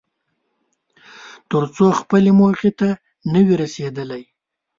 تر څو خپلې موخې ته نه وې رسېدلی.